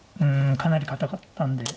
かなり堅かったんで。